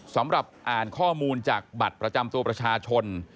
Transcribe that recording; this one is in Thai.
สำหรับอ่านข้อมูลจากบัตรประจำตัวประชาชน